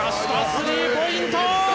スリーポイント！